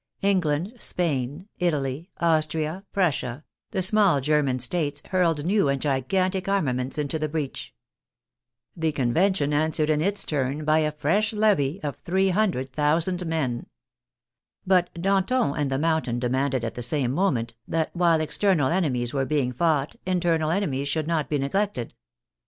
England, Spain, Italy, Austria, Prussia, the small German States, hurled new and gigantic armaments into the breach. The Convention answered in its turn by a fresh levy of 300,000 men. But Danton and the Moun tain demanded at the same moment that while external enemies were being fought internal enemies should not be neglected.